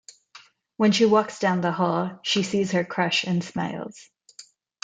When she walks down the hall, she sees her crush and smiles.